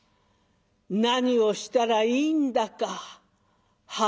何をしたらいいんだか。はあ」。